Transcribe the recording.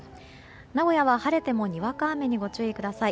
名古屋は晴れてもにわか雨にご注意ください。